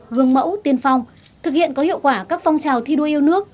gương mẫu tiên phong thực hiện có hiệu quả các phong trào thi đua yêu nước